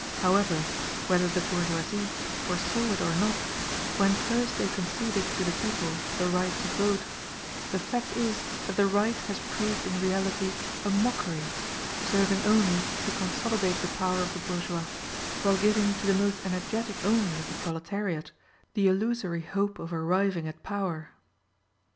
However, whether the bourgeoisie foresaw it or not, when first they conceded to the people the right to vote, the fact is that the right has proved in reality a mockery, serving only to consolidate the power of the bourgeois, while giving to the most energetic only of the proletariat the illusory hope of arriving at power.